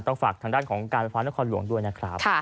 ฝากทางด้านของการไฟฟ้านครหลวงด้วยนะครับ